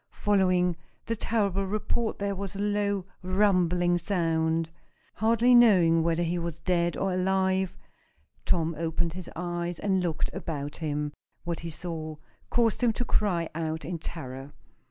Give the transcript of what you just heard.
Following the terrible report there was a low, rumbling sound. Hardly knowing whether he was dead or alive, Tom opened his eyes and looked about him. What he saw caused him to cry out in terror.